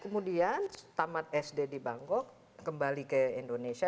kemudian tamat sd di bangkok kembali ke indonesia